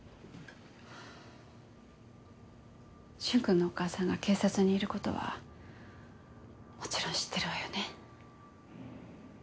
駿君のお母さんが警察にいる事はもちろん知ってるわよね？